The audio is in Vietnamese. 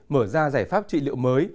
mở ra giải pháp trị liệu mới